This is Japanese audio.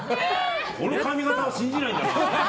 この髪形は信じないんだな。